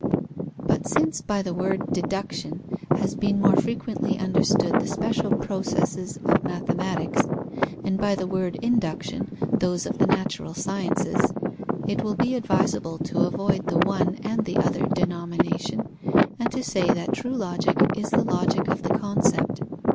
But since by the word "deduction" has been more frequently understood the special processes of mathematics, and by the word "induction" those of the natural sciences, it will be advisable to avoid the one and the other denomination, and to say that true Logic is the Logic of the concept.